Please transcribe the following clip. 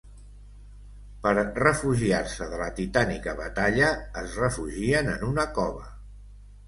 Per refugiar-se de la titànica batalla, es refugien en una cova.